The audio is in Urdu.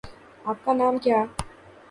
آپ کا نام کیا